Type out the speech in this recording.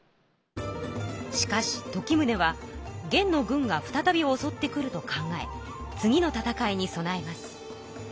しかし時宗は元の軍が再びおそってくると考え次の戦いに備えます。